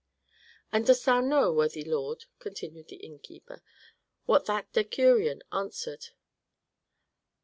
"And dost thou know, worthy lord," continued the innkeeper, "what that decurion answered?